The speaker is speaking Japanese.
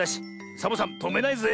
サボさんとめないぜ。